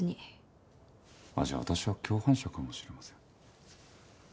あっじゃあ私は共犯者かもしれません。